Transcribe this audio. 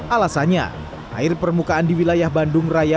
alasannya air permukaan di wilayah bandung raya